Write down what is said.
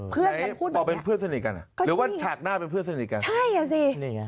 เพื่อนเป็นพูดแบบนี้หรือว่าฉากหน้าเป็นเพื่อนสนิทกันใช่เหรอสิ